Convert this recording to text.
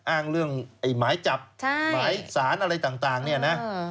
อ้างเรื่องหมายจับหมายสารอะไรต่างเนี่ยนะ